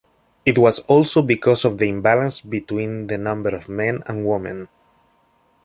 It was also because of the imbalance between the number of men and women.